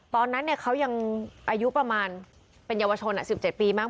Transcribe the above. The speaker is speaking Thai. ตอนนั้นเขายังอายุประมาณเป็นเยาวชน๑๗ปีมั้